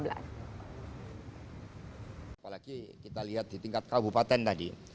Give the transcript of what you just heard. apalagi kita lihat di tingkat kabupaten tadi